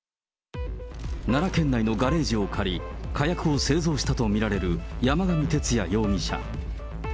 奈良県内のガレージを借り、火薬を製造したと見られる山上徹也容疑者。